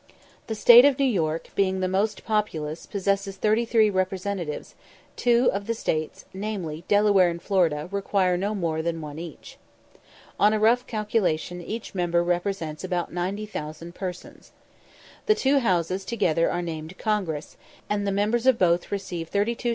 The State of New York, being the most populous, possesses 33 representatives; two of the States, namely, Delaware and Florida, require no more than one each. On a rough calculation, each member represents about 90,000 persons. The two houses together are named Congress, and the members of both receive 32_s.